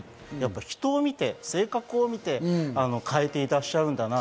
人を見て、性格を見て、変えていらっしゃるんだなと。